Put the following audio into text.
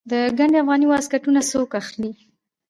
د ګنډ افغاني واسکټونه څوک اخلي؟